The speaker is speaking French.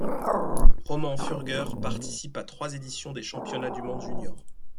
Roman Furger participe à trois éditions des championnats du monde junior.